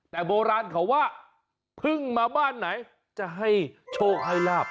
แต่โบราณเขาว่าเพิ่งมาบ้านไหนจะให้โชคให้ลาบ